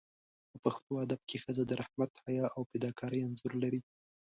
په پښتو ادب کې ښځه د رحمت، حیا او فداکارۍ انځور لري.